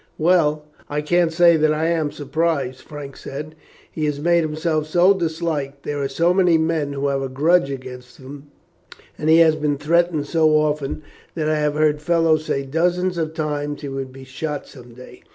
"Well, I can't say that I am surprised," Frank said. "He has made himself so disliked, there are so many men who have a grudge against him, and he has been threatened so often, that I have heard fellows say dozens of times he would be shot some day.